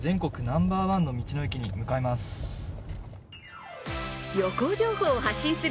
ナンバーワンの道の駅に向かいます。